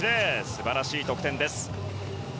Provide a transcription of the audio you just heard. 素晴らしい得点です。